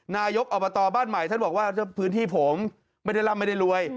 นายกอบตบ้านใหม่ท่านบอกว่าพื้นที่ผมไม่ได้ร่ำไม่ได้รวย